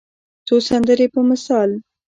څو سندرې په مثال